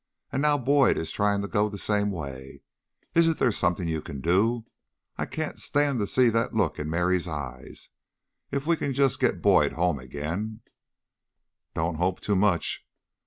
And now Boyd is trying to go the same way. Isn't there something you can do? I can't stand to see that look in Merry's eyes. If we can just get Boyd home again " "Don't hope too much."